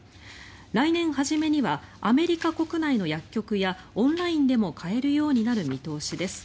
来年初めにはアメリカ国内の薬局やオンラインでも買えるようになる見通しです。